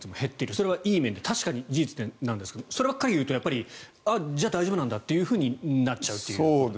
それはいい面で確かに事実なんですけどそればっかり言うとあ、じゃあ大丈夫なんだというふうになっちゃうという。